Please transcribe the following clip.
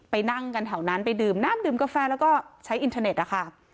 นั่งกันแถวนั้นไปดื่มน้ำดื่มกาแฟแล้วก็ใช้อินเทอร์เน็ตนะคะ